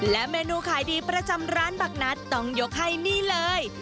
และเมนูขายดีประจำร้านบักนัดต้องยกให้นี่เลย